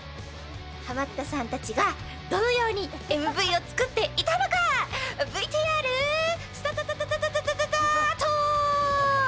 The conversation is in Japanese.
ハマったさんたちがどのようにＭＶを作っていたのかＶＴＲスタタタタタタート！